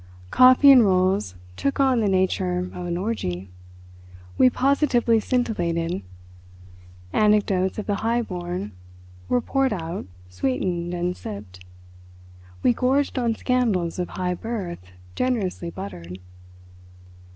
Coffee and rolls took on the nature of an orgy. We positively scintillated. Anecdotes of the High Born were poured out, sweetened and sipped: we gorged on scandals of High Birth generously buttered.